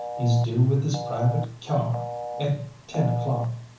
He's due with his private cyar at ten o'clock.